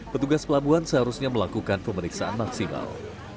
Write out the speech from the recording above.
petugas pelabuhan seharusnya melakukan pemeriksaan maksimal